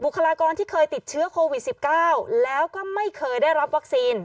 คลากรที่เคยติดเชื้อโควิด๑๙แล้วก็ไม่เคยได้รับวัคซีน